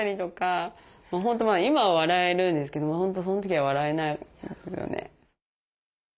本当今は笑えるんですけど本当そのときは笑えないですよね。